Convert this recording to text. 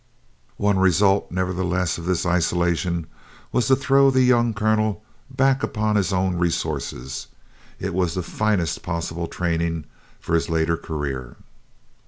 One result, nevertheless, of this isolation was to throw the young colonel back upon his own resources. It was the finest possible training for his later career.